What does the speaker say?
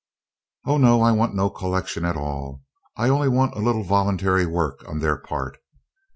"Oh, no, I want no collection at all. I only want a little voluntary work on their part."